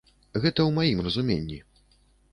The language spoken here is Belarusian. Гэта ў маім разуменні.